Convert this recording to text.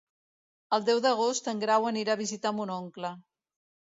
El deu d'agost en Grau anirà a visitar mon oncle.